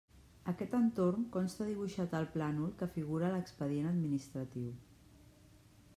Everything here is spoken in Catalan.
Aquest entorn consta dibuixat al plànol que figura a l'expedient administratiu.